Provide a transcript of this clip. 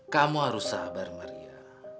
kamu harus sabar maria